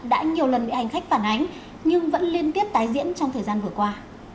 đã nhiều lần bị hành khách phản ánh nhưng vẫn liên tiếp tái diễn trong thời gian vừa qua